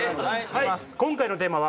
今回のテーマは。